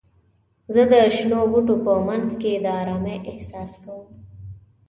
زه د شنو بوټو په منځ کې د آرامۍ احساس کوم.